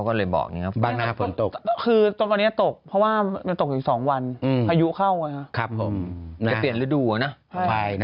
ครับผมจ้ะเปลี่ยนฤดูอะนะเปลี่ยนฤดูป่าวนะ